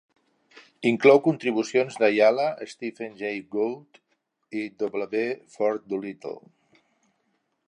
Inclou contribucions d'Ayala, Stephen Jay Gould i W. Ford Doolittle.